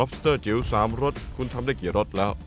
สเตอร์จิ๋ว๓รสคุณทำได้กี่รสแล้ว